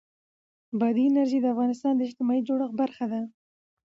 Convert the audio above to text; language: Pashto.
بادي انرژي د افغانستان د اجتماعي جوړښت برخه ده.